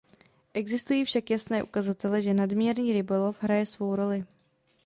Existují však jasné ukazatele, že nadměrný rybolov hraje svou roli.